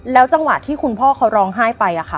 จังหวะที่คุณพ่อเขาร้องไห้ไป